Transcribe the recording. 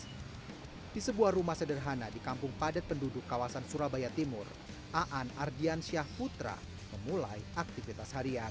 hai di sebuah rumah sederhana di kampung padat penduduk kawasan surabaya timur aandian syah putra memulai aktivitas harian